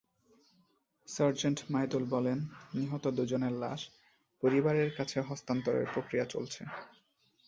Sergeant Maidul বলেন, নিহত দুজনের লাশ পরিবারের কাছে হস্তান্তরের প্রক্রিয়া চলছে।